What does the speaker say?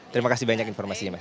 terima kasih banyak informasinya mas